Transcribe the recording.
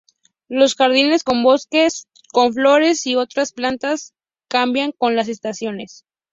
Los jardines con bosques, con flores y otras plantas, cambian con las estaciones.